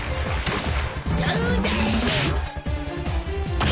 どうだ！